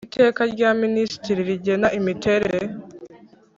Iteka rya Minisitiri rigena imiterere